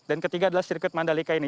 ketiga adalah sirkuit mandalika ini